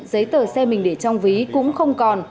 giấy tờ xe mình để trong ví cũng không còn